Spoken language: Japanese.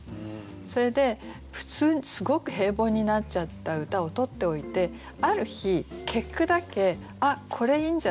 それで普通にすごく平凡になっちゃった歌を取っておいてある日結句だけあっこれいいんじゃない？って